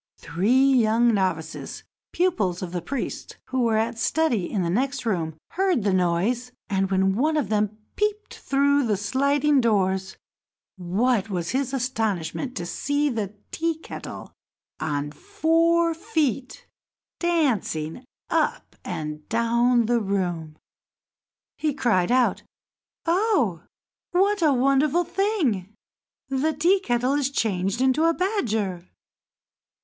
Three young novices, pupils of the priest, who were at study in the next room, heard the noise; and, when one of them peeped through the sliding doors, what was his astonishment to see the Tea kettle on four feet dancing up and down the room! He cried out: "Oh! what a wonderful thing! The Tea kettle is changed into a badger!"